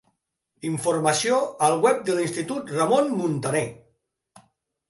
Informació al web de l'Institut Ramon Muntaner.